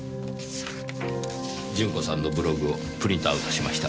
順子さんのブログをプリントアウトしました。